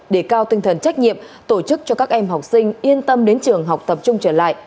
để cao tinh thần trách nhiệm tổ chức cho các em học sinh yên tâm đến trường học tập trung trở lại